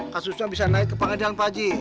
kasusnya bisa naik ke pengadilan pak haji